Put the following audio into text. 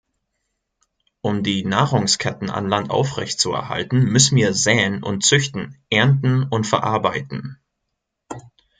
Um die Nahrungsketten an Land aufrechtzuerhalten, müssen wir säen und züchten, ernten und verarbeiten.